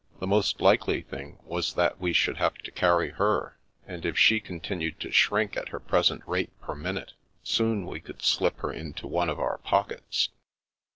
The most likely thing was that we should have to carry her; and if she continued to shrink at her present rate per minute, soon we could slip her into one of our pockets.